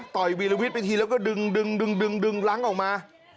ต่อยวีลวิทย์ไปทีแล้วก็ดึงล้างออกมา